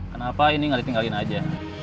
kenapa ini nggak ditinggalin aja